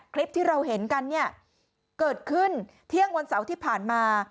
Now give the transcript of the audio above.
คลิปที่เราเห็นกันเนี่ยเกิดขึ้นเที่ยงวันเสาร์ที่ผ่านมา